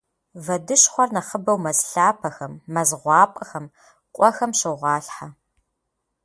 Вэдыщхъуэр нэхъыбэу мэз лъапэхэм, мэз гъуапӏэхэм, къуэхэм щогъуалъхьэ.